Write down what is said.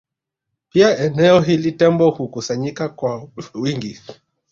Pia eneo hili Tembo hukusanyika kwa wingi